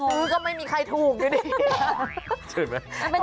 ลองซื้อก็ไม่มีใครถูกด้วยดิ